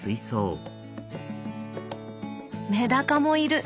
メダカもいる！